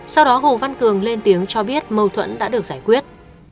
sau đó hồ văn cường lên tiếng cho biết mâu thuẫn đã được giải quyết